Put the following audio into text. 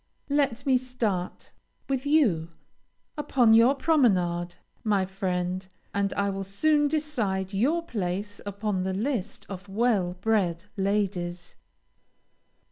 Let me start with you upon your promenade, my friend, and I will soon decide your place upon the list of well bred ladies.